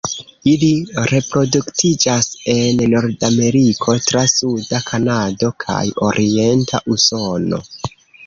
Ili reproduktiĝas en Nordameriko, tra suda Kanado kaj orienta Usono.